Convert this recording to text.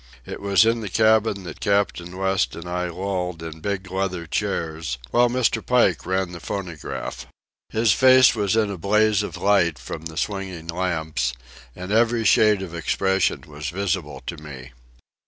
It was in the cabin that Captain West and I lolled in big leather chairs while Mr. Pike ran the phonograph. His face was in a blaze of light from the swinging lamps, and every shade of expression was visible to me.